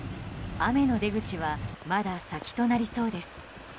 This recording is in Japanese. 雨の出口はまだ先となりそうです。